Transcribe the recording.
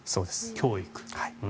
教育。